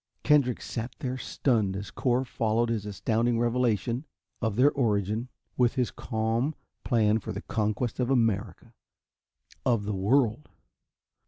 Kendrick sat there, stunned, as Cor followed his astounding revelation of their origin with this calm plan for the conquest of America, of the world.